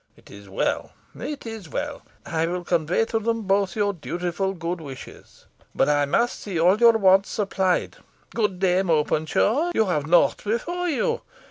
It is well it is well. I will convey to them both your dutiful good wishes. But I must see all your wants supplied. Good Dame Openshaw, you have nought before you.